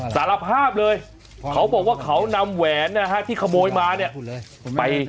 สารภาพเลยเขาบอกว่าเขานำแหวนนะฮะที่ขโมยมาเนี่ย